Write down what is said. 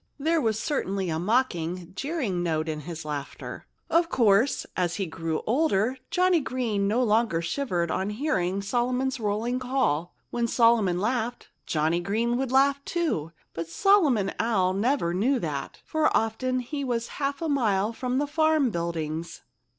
There was certainly a mocking, jeering note in his laughter. Of course, as he grew older, Johnnie Green no longer shivered on hearing Solomon's rolling call. When Solomon laughed, Johnnie Green would laugh, too. But Solomon Owl never knew that, for often he was half a mile from the farm buildings.